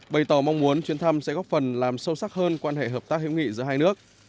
bày tỏ mong muốn chuyến thăm sẽ góp phần làm sâu sắc hơn quan hệ hợp tác hữu nghị giữa hai nước